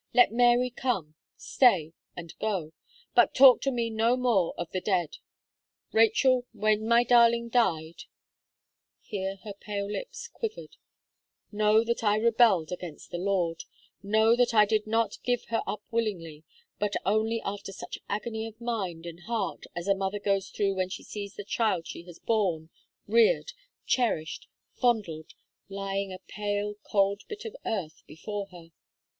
Let Mary come, stay, and go; but talk to me no more of the dead. Rachel, when my darling died," here her pale lips quivered, "know that I rebelled against the Lord know that I did not give her up willingly, but only after such agony of mind and heart as a mother goes through when she sees the child she has borne, reared, cherished, fondled, lying a pale, cold bit of earth before her!